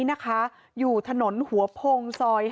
เจ้าของห้องเช่าโพสต์คลิปนี้